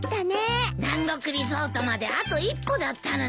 南国リゾートまであと一歩だったのに。